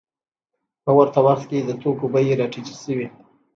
په ورته وخت کې د توکو بیې راټیټې شوې